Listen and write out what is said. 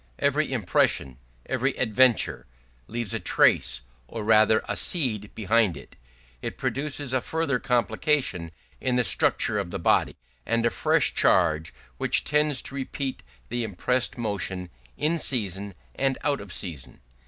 Every impression, every adventure, leaves a trace or rather a seed behind it. It produces a further complication in the structure of the body, a fresh charge, which tends to repeat the impressed motion in season and out of season.